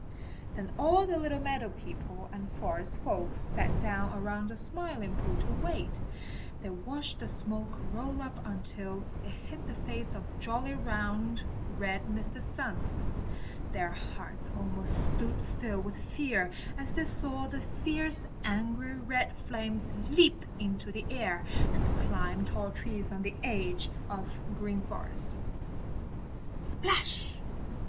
Then all the little meadow people and forest folks sat down around the Smiling Pool to wait. They watched the smoke roll up until it hid the face of jolly, round, red Mr. Sun. Their hearts almost stood still with fear as they saw the fierce, angry, red flames leap into the air and climb tall trees on the edge of the Green Forest. Splash!